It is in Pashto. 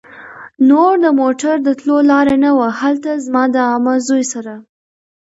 نور د موټر د تلو لار نه وه. هلته زما د عمه زوی سره